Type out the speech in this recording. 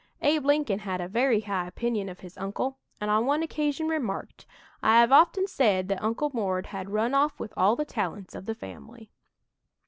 "Abe Lincoln had a very high opinion of his uncle, and on one occasion remarked, 'I have often said that Uncle Mord had run off with all the talents of the family.'"